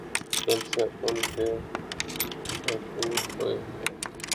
جلسے ان کے بھرپور ہوئے ہیں۔